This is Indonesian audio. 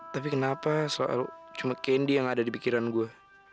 tapi kenapa selalu cuma kandy yang ada di pikiran gue